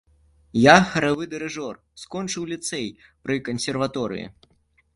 Я харавы дырыжор, скончыў ліцэй пры кансерваторыі.